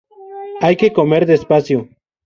Hay que comer despacio